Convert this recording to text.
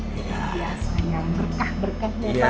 berkah berkah ya pak